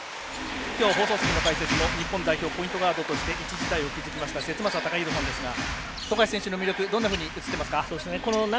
きょうの解説もポイントガードで一時代を築きました節政貴弘さんですが富樫選手の魅力どんなふうに映ってますか。